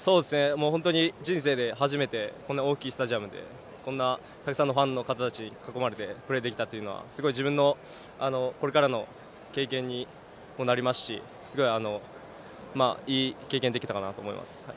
人生で初めてこんなに大きなスタジアムでこんなたくさんのファンの方たちに囲まれてプレーできたというのは、自分のこれからの経験にもなりますしすごい、いい経験ができたかなと思います。